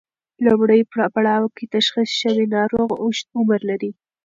لومړی پړاو کې تشخیص شوی ناروغ اوږد عمر لري.